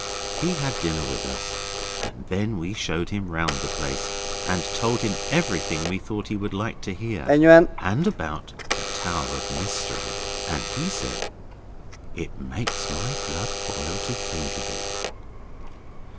He had dinner with us, and then we showed him round the place, and told him everything we thought he would like to hear, and about the Tower of Mystery, and he said 'It makes my blood boil to think of it.